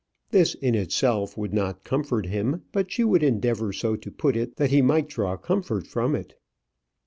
This in itself would not comfort him; but she would endeavour so to put it that he might draw comfort from it.